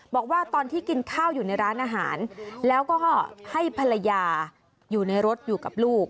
บอกว่าตอนที่กินข้าวอยู่ในร้านอาหารแล้วก็ให้ภรรยาอยู่ในรถอยู่กับลูก